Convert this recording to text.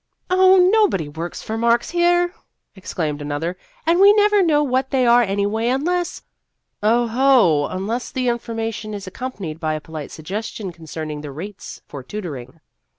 " Oh, nobody works for marks here," exclaimed another, " and we never know what they are anyway, unless " Oho ! unless the information is ac companied by a polite suggestion con cerning the rates for tutoring."